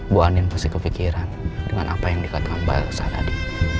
bu andin masih kepikiran dengan apa yang dikatakan mbak esa tadi